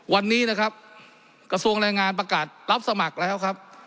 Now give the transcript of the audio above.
วันนี้นะครับกระทรวงแรงงานประกาศรับสมัครแล้วครับ